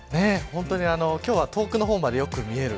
本当に今日は遠くの方までよく見える。